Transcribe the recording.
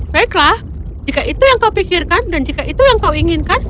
baiklah jika itu yang kau pikirkan dan jika itu yang kau inginkan